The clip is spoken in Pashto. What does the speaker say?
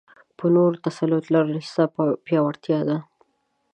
په نورو تسلط لرل؛ ستا پياوړتيا ده.